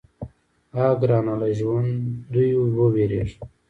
_اه ګرانه! له ژونديو ووېرېږه.